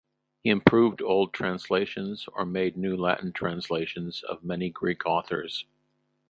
He improved old translations, or made new Latin translations, of many Greek authors.